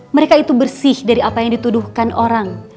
mereka itu bersih dari apa yang dituduhkan orang